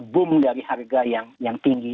boom dari harga yang tinggi